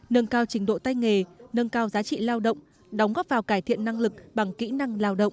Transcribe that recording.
nâng cao trình độ tay nghề nâng cao giá trị lao động đóng góp vào cải thiện năng lực bằng kỹ năng lao động